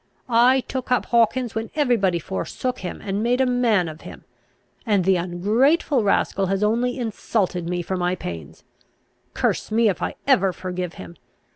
I took up Hawkins when every body forsook him, and made a man of him; and the ungrateful rascal has only insulted me for my pains. Curse me, if I ever forgive him!